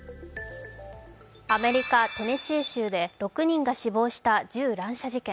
アメリカ・テネシー州で６人が死亡した銃乱射事件。